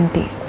ini tidak ada